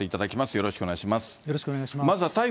よろしくお願いします。